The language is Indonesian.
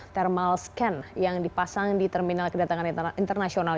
thermal scan yang dipasang di terminal kedatangan internasional